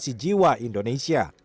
asuransi jiwa indonesia